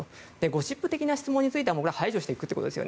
ゴシップ的な質問に対しては排除していくということです。